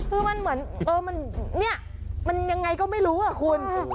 คือมันเหมือนเนี่ยมันยังไงก็ไม่รู้อ่ะคุณ